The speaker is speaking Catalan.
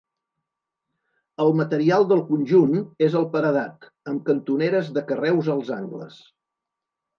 El material del conjunt és el paredat, amb cantoneres de carreus als angles.